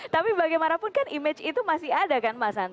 tapi bagaimanapun kan image itu masih ada kan mas hanta